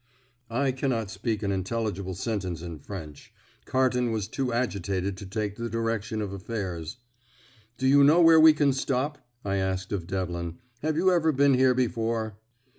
I cannot speak an intelligible sentence in French. Carton was too agitated to take the direction of affairs. "Do you know where we can stop?" I asked of Devlin. "Have you ever been here before?"